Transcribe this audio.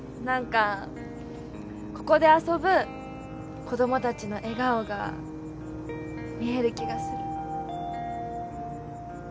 何かここで遊ぶ子供たちの笑顔が見える気がする。